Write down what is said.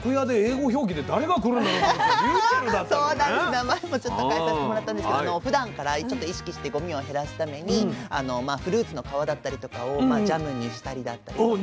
名前もちょっと変えさせてもらったんですけどふだんからちょっと意識してゴミを減らすためにフルーツの皮だったりとかをジャムにしたりだったりとか。